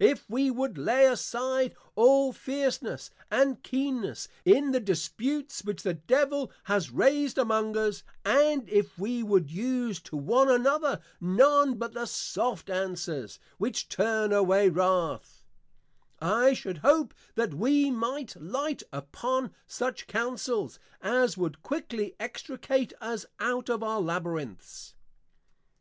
If we would lay aside all fierceness, and keenness, in the disputes which the Devil has raised among us; and if we would use to one another none but the soft Answers, which turn away wrath: I should hope that we might light upon such Counsels, as would quickly Extricate us out of our Labyrinths.